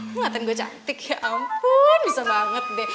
lo ngeliatin gue cantik ya ampun bisa banget deh